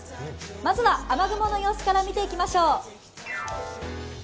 まずは、雨雲の様子から見ていきましょう。